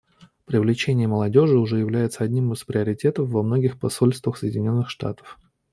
Привлечение молодежи уже является одним из приоритетов во многих посольствах Соединенных Штатов.